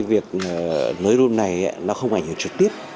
việc nới rum này nó không phải hiểu trực tiếp